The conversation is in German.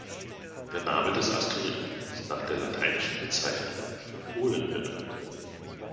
Der Name des Asteroiden ist nach der lateinischen Bezeichnung für Polen benannt.